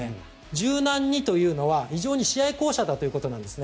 柔軟にというのは非常に試合巧者だということなんですね。